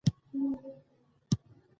دا میوه د چاغښت مخنیوی کوي.